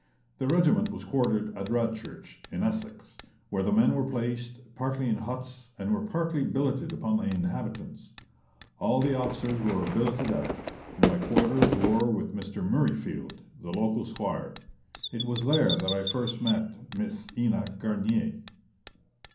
The regiment was quartered at Radchurch, in Essex, where the men were placed partly in huts and were partly billeted upon the inhabitants. All the officers were billeted out, and my quarters were with Mr. Murreyfield, the local squire. It was there that I first met Miss Ena Garnier.